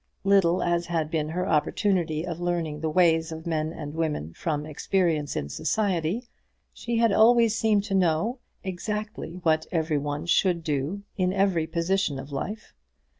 Little as had been her opportunity of learning the ways of men and women from experience in society, she had always seemed to him to know exactly what every one should do in every position of life.